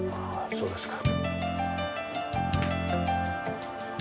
そうですか。